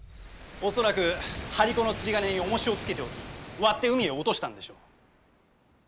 恐らく張り子の釣り鐘におもしをつけておき割って海へ落としたんでしょう。